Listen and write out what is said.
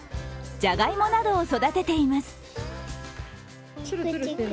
じゃがいもなどを育てています。